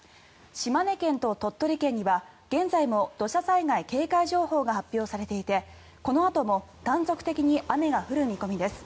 島根県と鳥取県には現在も土砂災害警戒情報が発表されていてこのあとも断続的に雨が降る見込みです。